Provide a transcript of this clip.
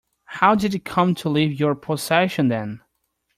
How did it come to leave your possession then?